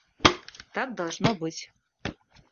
Так должно быть.